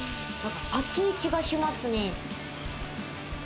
熱い気がしますね。